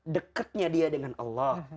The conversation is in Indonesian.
deketnya dia dengan allah